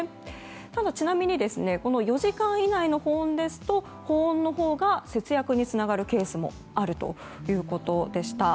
ただ、ちなみに４時間以内の保温ですと保温のほうが節約につながるケースもあるということでした。